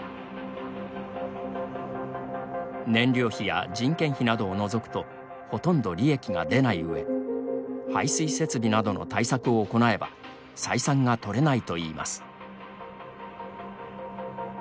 燃料費や人件費などを除くとほとんど利益が出ない上排水設備などの対策を行えば採算が取れないといいます。